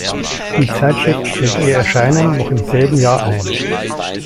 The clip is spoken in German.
Die Zeitschrift stellte ihr Erscheinen noch im selben Jahr ein.